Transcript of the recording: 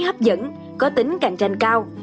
hấp dẫn có tính cạnh tranh cao